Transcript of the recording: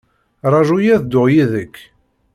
Raju-yi ad dduɣ yid-k.